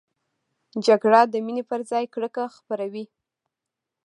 جګړه د مینې پر ځای کرکه خپروي